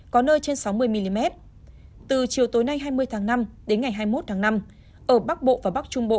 có nơi trên sáu mươi mm từ chiều tối nay hai mươi tháng năm đến ngày hai mươi một tháng năm ở bắc bộ và bắc trung bộ